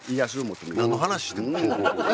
何の話してんの？